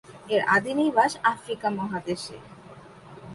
এর আদি নিবাস আফ্রিকা মহাদেশে।